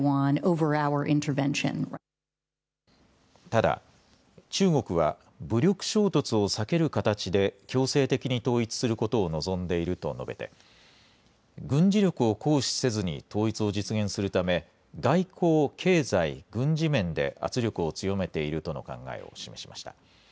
ただ、中国は武力衝突を避ける形で強制的に統一することを望んでいると述べて、軍事力を行使せずに統一を実現するため、外交、経済、軍事面で圧力を強めているとの考えを示しました。